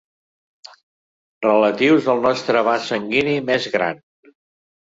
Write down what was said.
Relatius al nostre vas sanguini més gran.